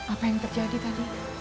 apa yang terjadi tadi